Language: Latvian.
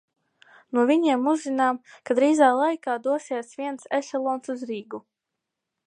No viņiem uzzinām, ka drīzā laikā dosies viens ešelons uz Rīgu.